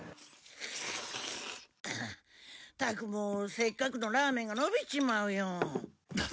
ったくもうせっかくのラーメンが伸びちまうよ。